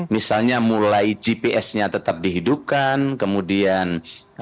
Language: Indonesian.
misalnya mulai gps nya tetap dihidupkan kemudian video call dan seterusnya